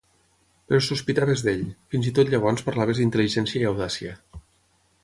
Però sospitaves d'ell, fins i tot llavors parlaves d'intel·ligència i audàcia.